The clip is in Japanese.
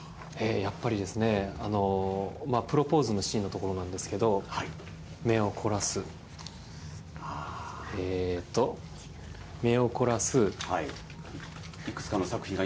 やっぱりですね、プロポーズのシーンの所なんですけど、目を凝らす、いくつかの作品が今。